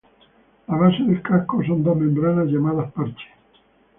Las bases del casco son dos membranas llamadas parches.